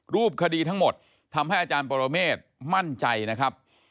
รูปคดีทั้งหมดทำให้อาจารย์ปรเมฆมั่นใจนะครับ